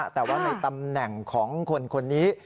แต่ว่าในตำแหน่งของคนนี้